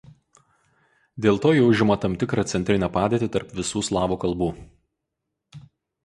Dėl to ji užima tam tikrą centrinę padėtį tarp visų slavų kalbų.